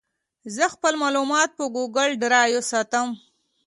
زه خپل معلومات په ګوګل ډرایو ساتم.